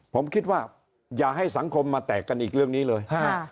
ผมคิดว่าอย่าให้สังคมมาแตกกันอีกเรื่องนี้เลย